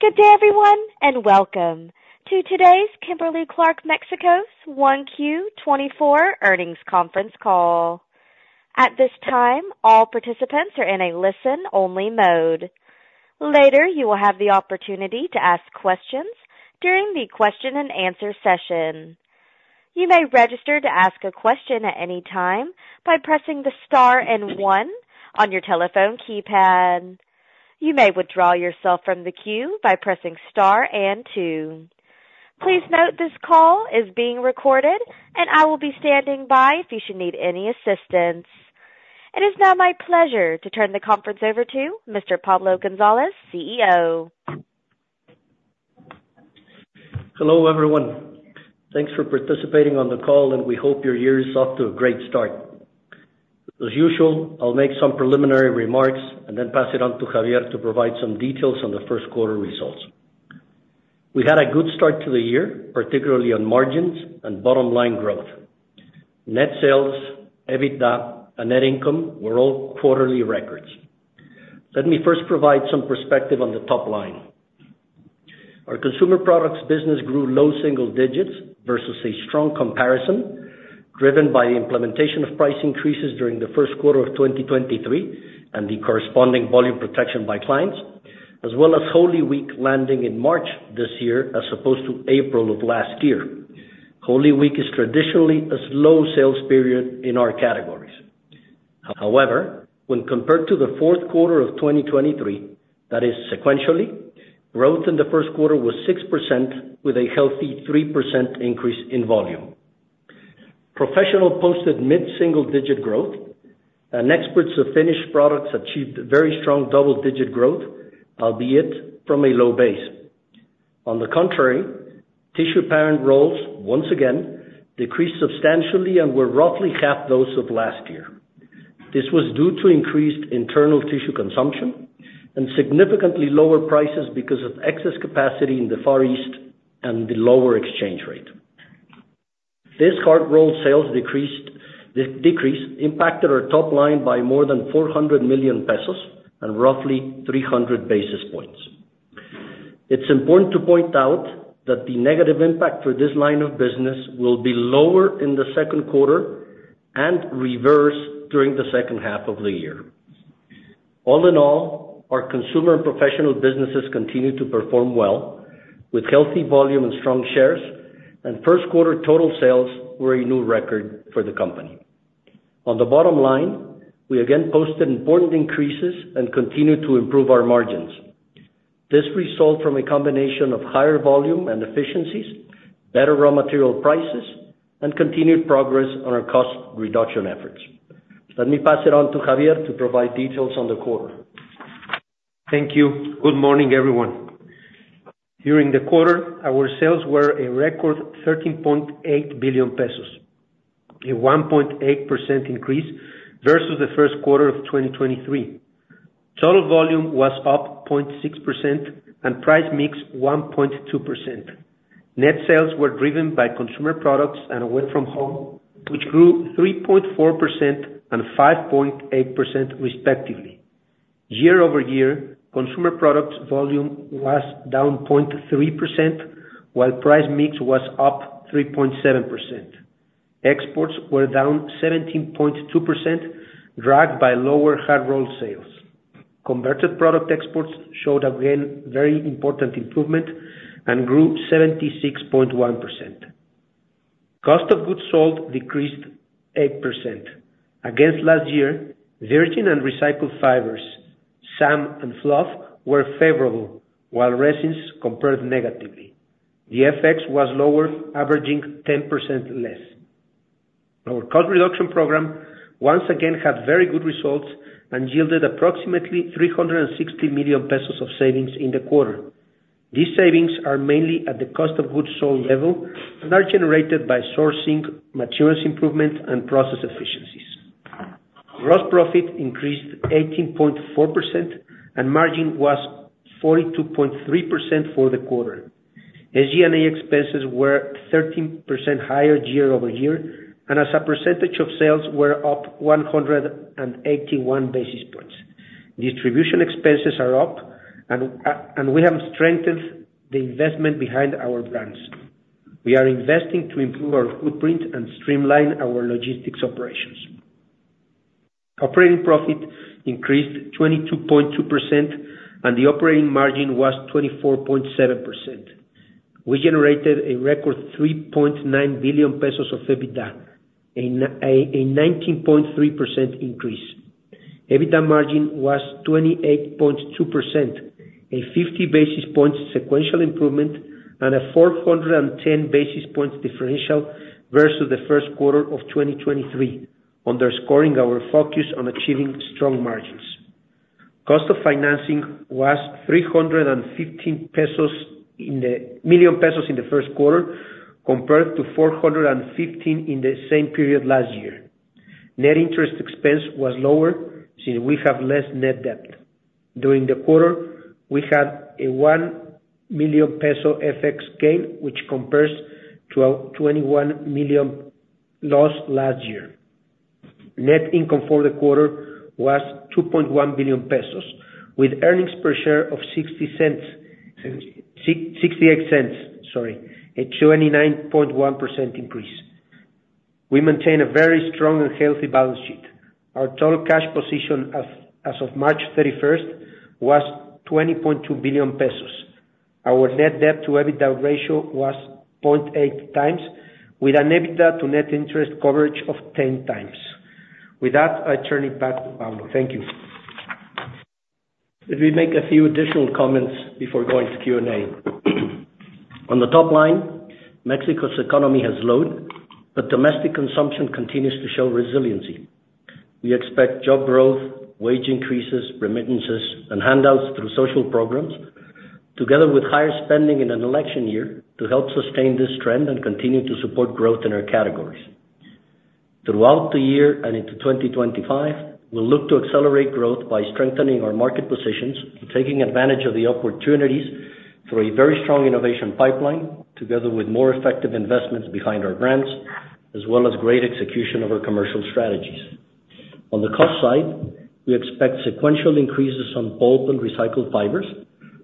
Good day, everyone, and welcome to today's Kimberly-Clark de México's 1Q 2024 earnings conference call. At this time, all participants are in a listen-only mode. Later, you will have the opportunity to ask questions during the question-and-answer session. You may register to ask a question at any time by pressing the star and one on your telephone keypad. You may withdraw yourself from the queue by pressing star and two. Please note, this call is being recorded and I will be standing by if you should need any assistance. It is now my pleasure to turn the conference over to Mr. Pablo González, CEO. Hello, everyone. Thanks for participating on the call, and we hope your year is off to a great start. As usual, I'll make some preliminary remarks and then pass it on to Xavier to provide some details on the first quarter results. We had a good start to the year, particularly on margins and bottom line growth. Net sales, EBITDA, and net income were all quarterly records. Let me first provide some perspective on the top line. Our consumer products business grew low single digits versus a strong comparison, driven by the implementation of price increases during the first quarter of 2023 and the corresponding volume protection by clients, as well as Holy Week landing in March this year, as opposed to April of last year. Holy Week is traditionally a slow sales period in our categories. However, when compared to the fourth quarter of 2023, that is, sequentially, growth in the first quarter was 6% with a healthy 3% increase in volume. Professional posted mid-single digit growth, and exports of finished products achieved a very strong double-digit growth, albeit from a low base. On the contrary, tissue parent rolls, once again, decreased substantially and were roughly half those of last year. This was due to increased internal tissue consumption and significantly lower prices because of excess capacity in the Far East and the lower exchange rate. This hard rolls sales decrease impacted our top line by more than 400 million pesos and roughly 300 basis points. It's important to point out that the negative impact for this line of business will be lower in the second quarter and reverse during the second half of the year. All in all, our consumer and professional businesses continue to perform well, with healthy volume and strong shares, and first quarter total sales were a new record for the company. On the bottom line, we again posted important increases and continued to improve our margins. This results from a combination of higher volume and efficiencies, better raw material prices, and continued progress on our cost reduction efforts. Let me pass it on to Xavier to provide details on the quarter. Thank you. Good morning, everyone. During the quarter, our sales were a record 13.8 billion pesos, a 1.8% increase versus the first quarter of 2023. Total volume was up 0.6% and price mix, 1.2%. Net sales were driven by consumer products and away from home, which grew 3.4% and 5.8%, respectively. Year-over-year, consumer products volume was down 0.3%, while price mix was up 3.7%. Exports were down 17.2%, dragged by lower hard roll sales. Converted product exports showed, again, very important improvement and grew 76.1%. Cost of goods sold decreased 8%. Against last year, virgin and recycled fibers, san and fluff were favorable, while resins compared negatively. The FX was lower, averaging 10% less. Our cost reduction program, once again, had very good results and yielded approximately 360 million pesos of savings in the quarter. These savings are mainly at the cost of goods sold level and are generated by sourcing, materials improvement, and process efficiencies. Gross profit increased 18.4%, and margin was 42.3% for the quarter. SG&A expenses were 13% higher year-over-year, and as a percentage of sales, were up 181 basis points. Distribution expenses are up, and, and we have strengthened the investment behind our brands. We are investing to improve our footprint and streamline our logistics operations. Operating profit increased 22.2%, and the operating margin was 24.7%. We generated a record 3.9 billion pesos of EBITDA, a 19.3% increase. EBITDA margin was 28.2%, a 50 basis points sequential improvement, and a 410 basis points differential versus the first quarter of 2023, underscoring our focus on achieving strong margins. Cost of financing was 315 million pesos in the first quarter, compared to 415 million in the same period last year. Net interest expense was lower, since we have less net debt. During the quarter, we had a 1 million peso FX gain, which compares to a 21 million loss last year. Net income for the quarter was 2.1 billion pesos, with earnings per share of 0.68, a 29.1% increase. We maintain a very strong and healthy balance sheet. Our total cash position as of March 31 was 20.2 billion pesos. Our net debt to EBITDA ratio was 0.8x, with an EBITDA to net interest coverage of 10x. With that, I turn it back to Pablo. Thank you. Let me make a few additional comments before going to Q&A. On the top line, Mexico's economy has slowed, but domestic consumption continues to show resiliency. We expect job growth, wage increases, remittances, and handouts through social programs, together with higher spending in an election year, to help sustain this trend and continue to support growth in our categories. Throughout the year and into 2025, we'll look to accelerate growth by strengthening our market positions and taking advantage of the opportunities through a very strong innovation pipeline, together with more effective investments behind our brands, as well as great execution of our commercial strategies. On the cost side, we expect sequential increases on pulp and recycled fibers,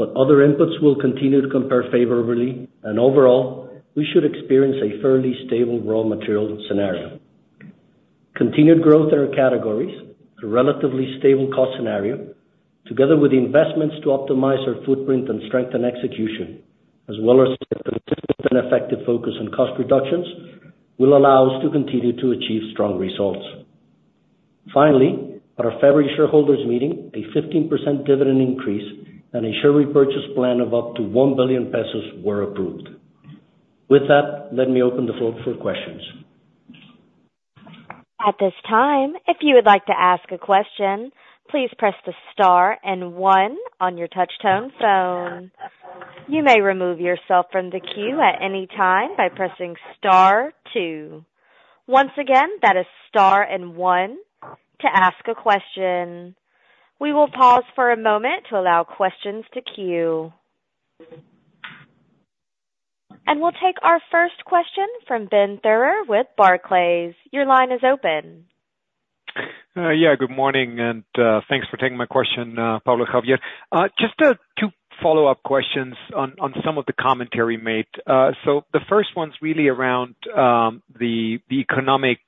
but other inputs will continue to compare favorably, and overall, we should experience a fairly stable raw material scenario. Continued growth in our categories, a relatively stable cost scenario, together with the investments to optimize our footprint and strengthen execution, as well as consistent and effective focus on cost reductions, will allow us to continue to achieve strong results. Finally, at our February shareholders meeting, a 15% dividend increase and a share repurchase plan of up to 1 billion pesos were approved. With that, let me open the floor for questions. At this time, if you would like to ask a question, please press the star and one on your touchtone phone. You may remove yourself from the queue at any time by pressing star two. Once again, that is star and one to ask a question. We will pause for a moment to allow questions to queue. We'll take our first question from Ben Theurer with Barclays. Your line is open. Yeah, good morning, and thanks for taking my question, Pablo, Xavier. Just two follow-up questions on some of the commentary made. So the first one's really around the economic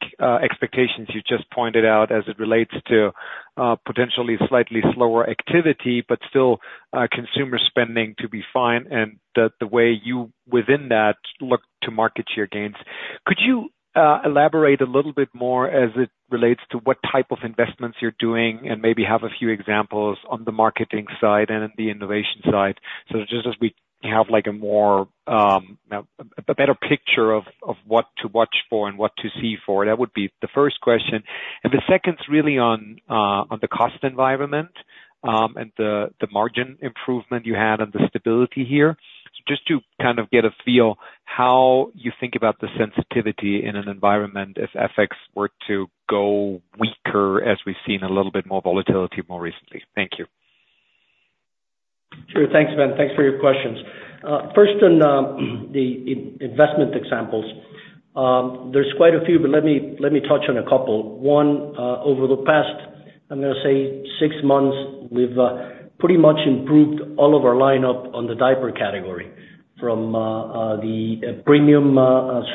expectations you just pointed out as it relates to potentially slightly slower activity, but still consumer spending to be fine and the way you, within that, look to market your gains. Could you elaborate a little bit more as it relates to what type of investments you're doing, and maybe have a few examples on the marketing side and the innovation side? So just as we have, like, a more a better picture of what to watch for and what to see for. That would be the first question. And the second's really on the cost environment, and the margin improvement you had and the stability here. Just to kind of get a feel how you think about the sensitivity in an environment if FX were to go weaker, as we've seen a little bit more volatility more recently. Thank you. Sure. Thanks, Ben. Thanks for your questions. First on the investment examples. There's quite a few, but let me, let me touch on a couple. One, over the past, I'm gonna say six months, we've pretty much improved all of our lineup on the diaper category, from the premium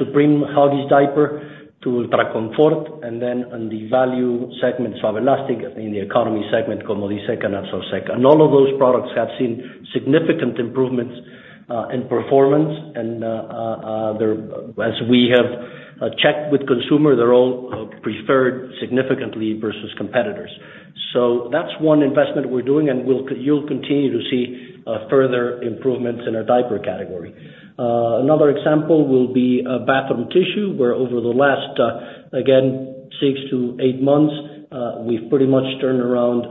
Supreme Huggies diaper to UltraConfort, and then on the value segment, Suavelastic, in the economy segment, Comodisec, and Absorsec. And all of those products have seen significant improvements in performance, and they're as we have checked with consumer, they're all preferred significantly versus competitors. So that's one investment we're doing, and you'll continue to see further improvements in our diaper category. Another example will be bathroom tissue, where over the last, again, six to eight months, we've pretty much turned around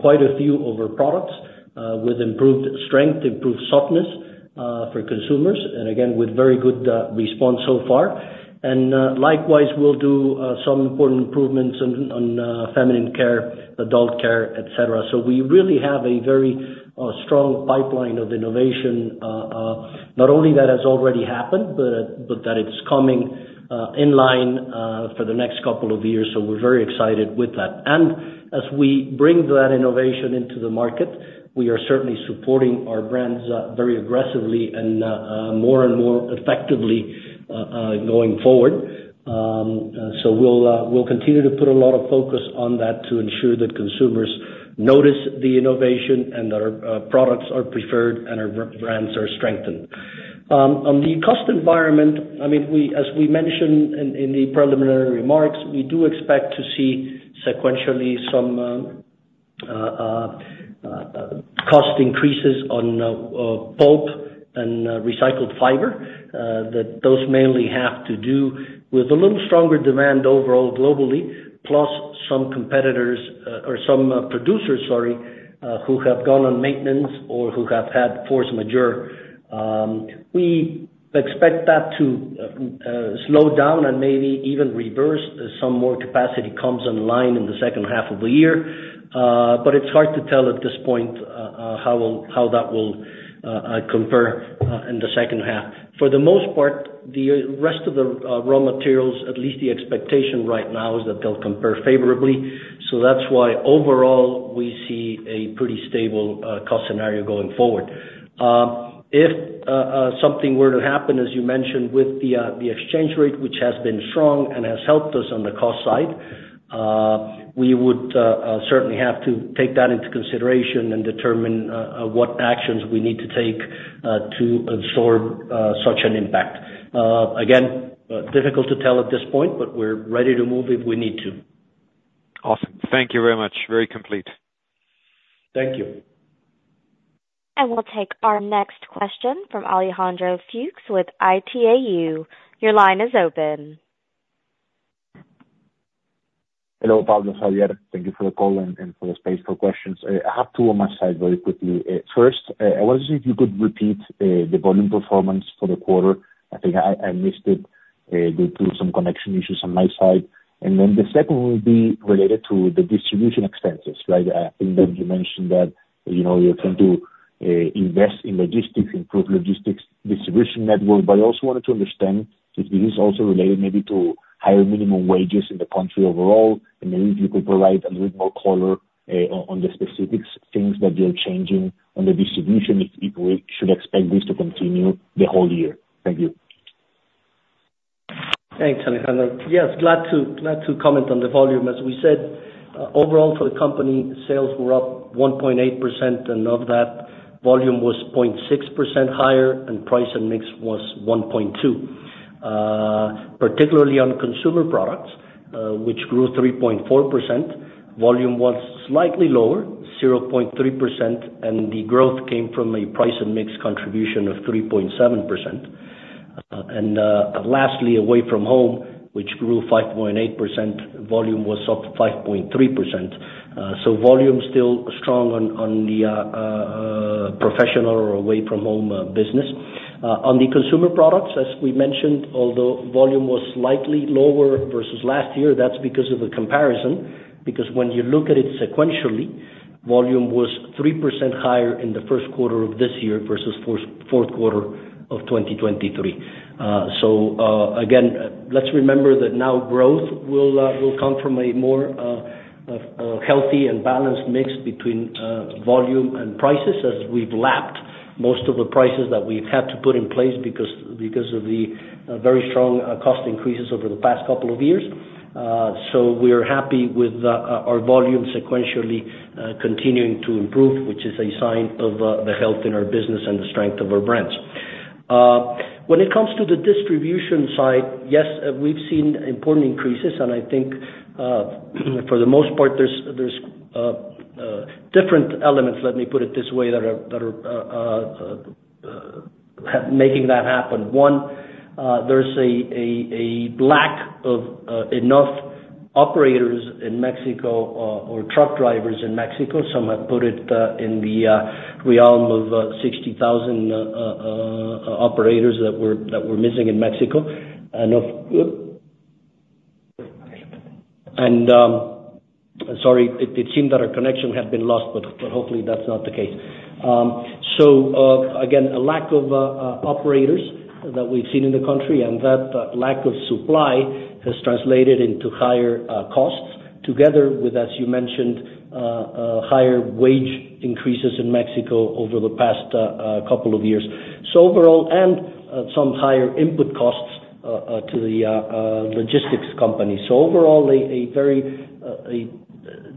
quite a few of our products with improved strength, improved softness for consumers, and again, with very good response so far. Likewise, we'll do some important improvements on feminine care, adult care, etc. We really have a very strong pipeline of innovation not only that has already happened, but that it's coming in line for the next couple of years, so we're very excited with that. As we bring that innovation into the market, we are certainly supporting our brands very aggressively and more and more effectively going forward. We'll continue to put a lot of focus on that to ensure that consumers notice the innovation and our products are preferred and our brands are strengthened. On the cost environment, I mean, we, as we mentioned in the preliminary remarks, we do expect to see sequentially some cost increases on pulp and recycled fiber. That those mainly have to do with a little stronger demand overall globally, plus some competitors or some producers, sorry, who have gone on maintenance or who have had force majeure. We expect that to slow down and maybe even reverse as some more capacity comes online in the second half of the year. But it's hard to tell at this point how will—how that will... Compare in the second half. For the most part, the rest of the raw materials, at least the expectation right now, is that they'll compare favorably. So that's why overall, we see a pretty stable cost scenario going forward. If something were to happen, as you mentioned, with the exchange rate, which has been strong and has helped us on the cost side, we would certainly have to take that into consideration and determine what actions we need to take to absorb such an impact. Again, difficult to tell at this point, but we're ready to move if we need to. Awesome. Thank you very much. Very complete. Thank you. We'll take our next question from Alejandro Fuchs with Itaú. Your line is open. Hello, Pablo, Xavier. Thank you for the call and for the space for questions. I have two on my side very quickly. First, I wonder if you could repeat the volume performance for the quarter? I think I missed it due to some connection issues on my side. And then the second will be related to the distribution expenses, right? I think that you mentioned that, you know, you're trying to invest in logistics, improve logistics, distribution network. But I also wanted to understand if this is also related maybe to higher minimum wages in the country overall, and maybe you could provide a little more color on the specific things that you're changing on the distribution, if we should expect this to continue the whole year. Thank you. Thanks, Alejandro. Yes, glad to comment on the volume. As we said, overall for the company, sales were up 1.8%, and of that, volume was 0.6% higher, and price and mix was 1.2%. Particularly on consumer products, which grew 3.4%, volume was slightly lower, 0.3%, and the growth came from a price and mix contribution of 3.7%. Lastly, away from home, which grew 5.8%, volume was up 5.3%. So volume still strong on the professional or away from home business. On the consumer products, as we mentioned, although volume was slightly lower versus last year, that's because of the comparison, because when you look at it sequentially, volume was 3% higher in the first quarter of this year versus the fourth quarter of 2023. So, again, let's remember that now growth will come from a more healthy and balanced mix between volume and prices, as we've lapped most of the prices that we've had to put in place because of the very strong cost increases over the past couple of years. So we are happy with our volume sequentially continuing to improve, which is a sign of the health in our business and the strength of our brands. When it comes to the distribution side, yes, we've seen important increases, and I think, for the most part, there's different elements, let me put it this way, that are making that happen. One, there's a lack of enough operators in Mexico, or truck drivers in Mexico. Some have put it in the realm of 60,000 operators that we're missing in Mexico. And of... And, sorry, it seemed that our connection had been lost, but hopefully that's not the case. So, again, a lack of operators that we've seen in the country, and that lack of supply has translated into higher costs, together with, as you mentioned, higher wage increases in Mexico over the past couple of years. So overall, and, some higher input costs to the logistics company. So overall, a very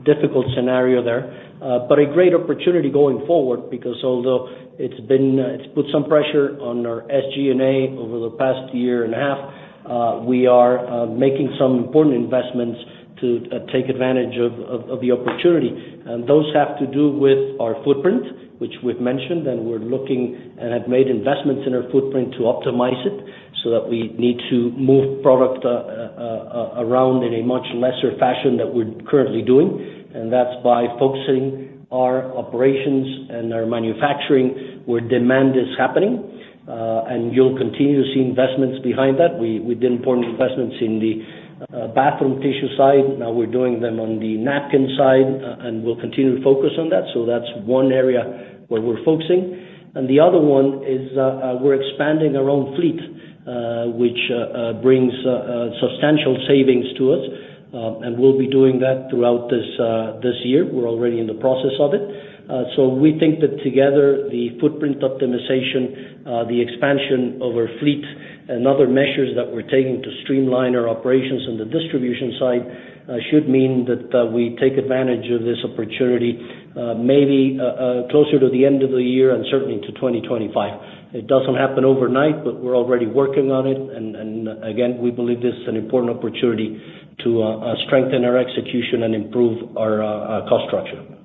difficult scenario there, but a great opportunity going forward, because although it's been, it's put some pressure on our SG&A over the past year and a half, we are making some important investments to take advantage of the opportunity. Those have to do with our footprint, which we've mentioned, and we're looking and have made investments in our footprint to optimize it, so that we need to move product around in a much lesser fashion than we're currently doing. That's by focusing our operations and our manufacturing where demand is happening, and you'll continue to see investments behind that. We did important investments in the bathroom tissue side; now we're doing them on the napkin side, and we'll continue to focus on that. So that's one area where we're focusing. The other one is we're expanding our own fleet, which brings substantial savings to us, and we'll be doing that throughout this year. We're already in the process of it. So we think that together, the footprint optimization, the expansion of our fleet and other measures that we're taking to streamline our operations on the distribution side, should mean that we take advantage of this opportunity, maybe, closer to the end of the year and certainly into 2025. It doesn't happen overnight, but we're already working on it. And again, we believe this is an important opportunity to strengthen our execution and improve our cost structure.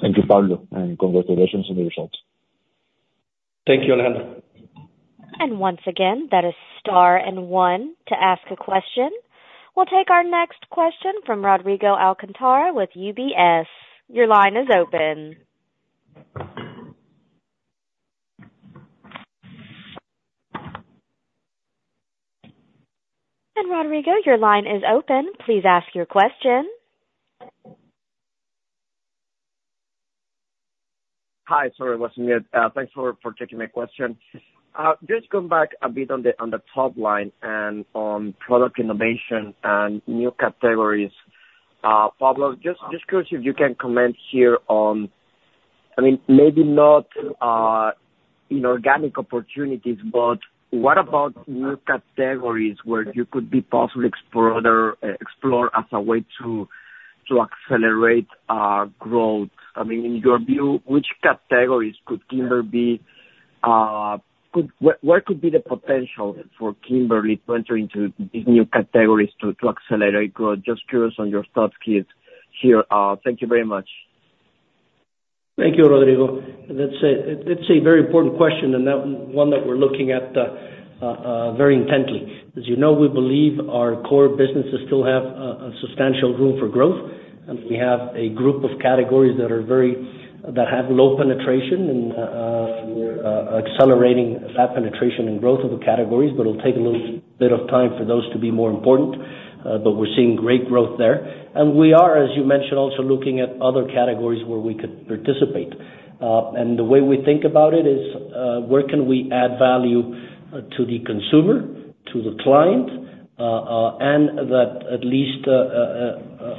Thank you, Pablo, and congratulations on the results. Thank you, Alejandro. Once again, that is star and one to ask a question. We'll take our next question from Rodrigo Alcantara with UBS. Your line is open.... Rodrigo, your line is open. Please ask your question. Hi. Sorry, it was mute. Thanks for taking my question. Just come back a bit on the top line and on product innovation and new categories. Pablo, just curious if you can comment here on, I mean, maybe not in organic opportunities, but what about new categories where you could possibly explore as a way to accelerate growth? I mean, in your view, which categories could Kimberly, what could be the potential for Kimberly to enter into these new categories to accelerate growth? Just curious on your thoughts here. Thank you very much. Thank you, Rodrigo. That's a very important question, and that one that we're looking at very intently. As you know, we believe our core businesses still have a substantial room for growth, and we have a group of categories that are very, that have low penetration, and we're accelerating that penetration and growth of the categories, but it'll take a little bit of time for those to be more important, but we're seeing great growth there. And we are, as you mentioned, also looking at other categories where we could participate. And the way we think about it is, where can we add value to the consumer, to the client, and that at least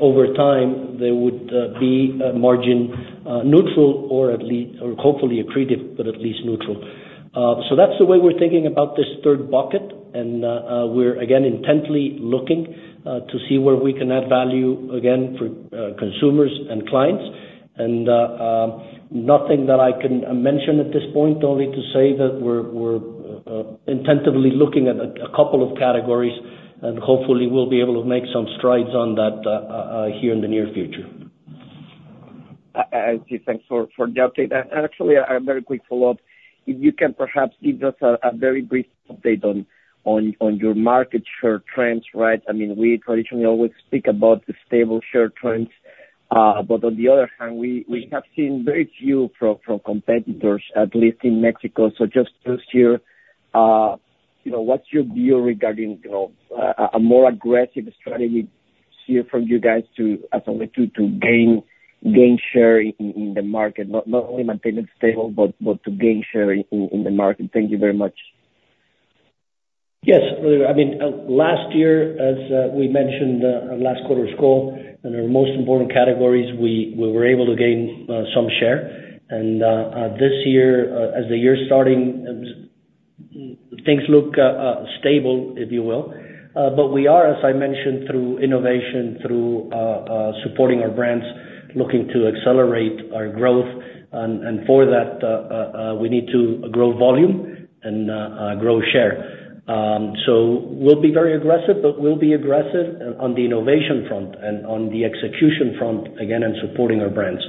over time, they would be margin neutral or at least, or hopefully accretive, but at least neutral. So that's the way we're thinking about this third bucket, and we're again intently looking to see where we can add value again for consumers and clients. And nothing that I can mention at this point, only to say that we're intently looking at a couple of categories, and hopefully we'll be able to make some strides on that here in the near future. Okay, thanks for the update. And actually, a very quick follow-up. If you can perhaps give us a very brief update on your market share trends, right? I mean, we traditionally always speak about the stable share trends, but on the other hand, we have seen very few from competitors, at least in Mexico. So just this year, you know, what's your view regarding, you know, a more aggressive strategy here from you guys to, as a way to gain share in the market, not only maintain it stable, but to gain share in the market? Thank you very much. Yes, I mean, last year, as we mentioned, our last quarter's call, and our most important categories, we were able to gain some share. And this year, as the year starting, things look stable, if you will. But we are, as I mentioned, through innovation, through supporting our brands, looking to accelerate our growth. And for that, we need to grow volume and grow share. So we'll be very aggressive, but we'll be aggressive on the innovation front and on the execution front, again, and supporting our brands.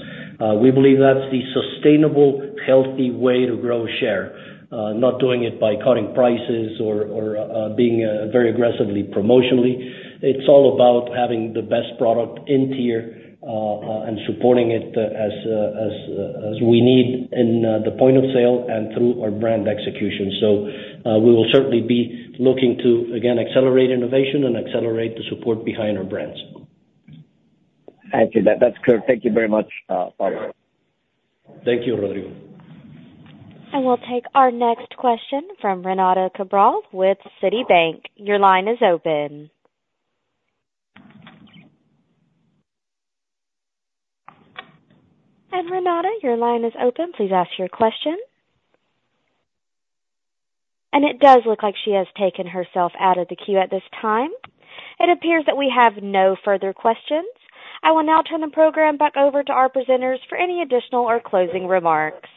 We believe that's the sustainable, healthy way to grow share. Not doing it by cutting prices or being very aggressively promotionally. It's all about having the best product in tier and supporting it as, as we need in the point of sale and through our brand execution. So, we will certainly be looking to, again, accelerate innovation and accelerate the support behind our brands. Thank you. That, that's clear. Thank you very much, Pablo. Thank you, Rodrigo. We'll take our next question from Renata Cabral with Citibank. Your line is open. Renata, your line is open. Please ask your question. It does look like she has taken herself out of the queue at this time. It appears that we have no further questions. I will now turn the program back over to our presenters for any additional or closing remarks.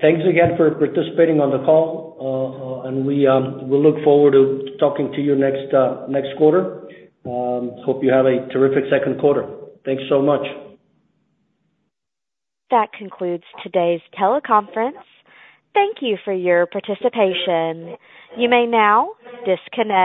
Thanks again for participating on the call, and we look forward to talking to you next quarter. Hope you have a terrific second quarter. Thanks so much. That concludes today's teleconference. Thank you for your participation. You may now disconnect.